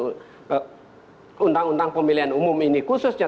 undang undang pemilihan umum ini khususnya